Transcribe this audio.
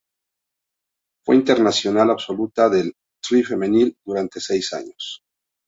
Fue internacional absoluta del "Tri Femenil" durante seis años.